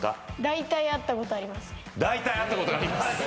「だいたい会ったことあります」